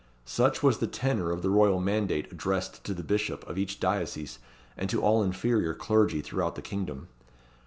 Such was the tenor of the royal mandate addressed to the bishop of each diocese and to all inferior clergy throughout the kingdom.